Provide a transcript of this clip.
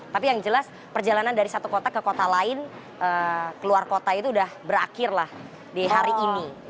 tapi yang jelas perjalanan dari satu kota ke kota lain keluar kota itu sudah berakhirlah di hari ini